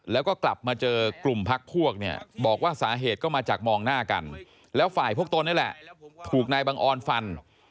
แล้วก็กลับมาเจอกลุ่มพักพวกเนี่ยบอกว่าสาเหตุก็มาจากมองหน้ากันแล้วฝ่ายพวกตนนี่แหละถูกนายบังออนฟัน